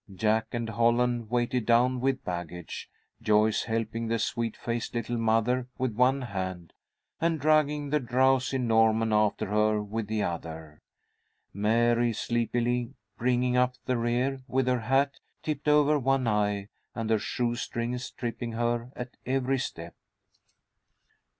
Jack and Holland weighted down with baggage, Joyce helping the sweet faced little mother with one hand, and dragging the drowsy Norman after her with the other, Mary sleepily bringing up the rear with her hat tipped over one eye, and her shoe strings tripping her at every step.